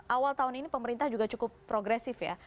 awal tahun ini pemerintah juga cukup progresif ya